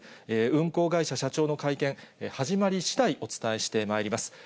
運航会社社長の会見、始まりしだいお伝えしてまいります。